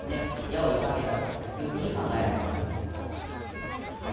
矢を射かけたというふうに考えられます。